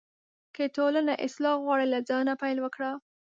که ټولنه اصلاح غواړې، له ځانه پیل وکړه.